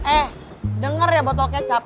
eh denger ya botol kecap